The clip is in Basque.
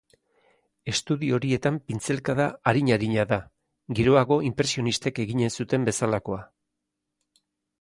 Estudio horietan pintzelkada arin-arina da, geroago inpresionistek eginen zuten bezalakoa.